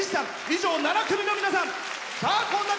以上、７組の皆さん。